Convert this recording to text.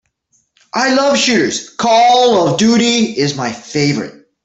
I love shooters, Call of Duty is my favorite.